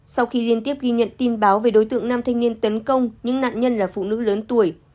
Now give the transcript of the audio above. sau khi liên tiếp ghi nhận tin báo về đối tượng nam thanh niên tấn công những nạn nhân là phụ nữ lớn tuổi